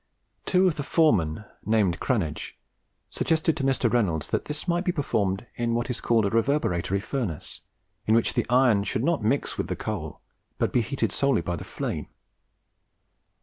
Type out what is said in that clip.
Two of the foremen, named Cranege, suggested to Mr. Reynolds that this might be performed in what is called a reverberatory furnace, in which the iron should not mix with the coal, but be heated solely by the flame.